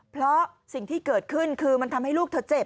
เพราะสิ่งที่เกิดขึ้นคือมันทำให้ลูกเธอเจ็บ